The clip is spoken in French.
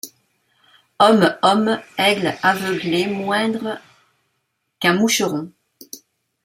Homme! homme ! aigle aveuglé, moindre qu’un moucheron !